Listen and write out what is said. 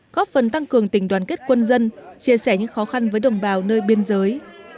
góp phần tăng cường tình đoàn kết quân dân chia sẻ những khó khăn với đồng bào nơi biên giới